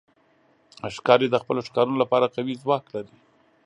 ښکاري د خپلو ښکارونو لپاره قوي ځواک لري.